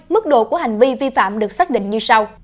mức độ của hành vi vi phạm được xác định như sau